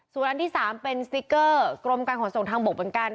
ศูนย์อันที่๓เป็นสติกเกอร์กรมการของส่งทางบกบรรกัน